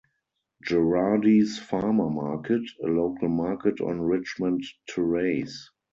Gerardi's Farmer Market, a local market on Richmond Terrace.